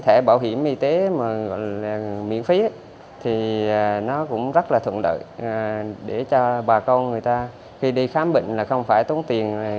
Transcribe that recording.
thẻ bảo hiểm y tế mà gọi miễn phí thì nó cũng rất là thuận lợi để cho bà con người ta khi đi khám bệnh là không phải tốn tiền